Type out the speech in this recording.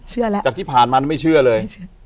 จากที่ผ่านมาไม่เชื่อเลย